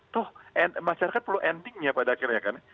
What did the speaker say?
tuh masyarakat perlu endingnya pada akhirnya kan